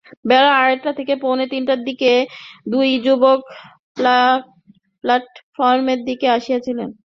বেলা আড়াইটা থেকে পৌনে তিনটার দিকে দুই যুবক প্ল্যাটফর্মের দিকে আসছিলেন।